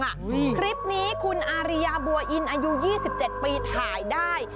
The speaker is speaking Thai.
คลิปนี้คุณอาริยาบัวอินอายุ๒๗ปีถ่ายได้